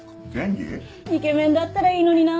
イケメンだったらいいのにな。